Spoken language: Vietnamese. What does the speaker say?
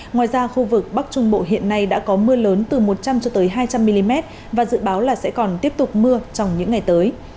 ngoài ra khu vực bắc trung bộ hiện nay đã có mưa lớn từ một trăm linh cho tới hai trăm linh mm và dự báo là sẽ còn tiếp tục mưa trong những ngày tới